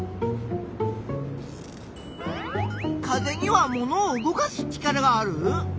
風にはものを動かす力がある？